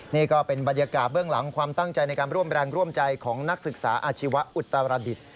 นี่ก็เป็นบรรยากาศเบื้องหลังความตั้งใจในการร่วมแรงร่วมใจของนักศึกษาอาชีวะอุตรดิษฐ์